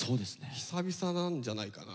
久々なんじゃないかな。